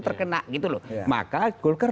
terkena maka golkar